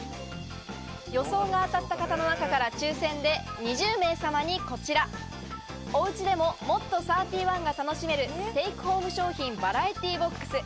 予想が当たった方の中から抽選で２０名様にこちら、お家でももっとサーティワンが楽しめるテイクホーム商品バラエティボックス。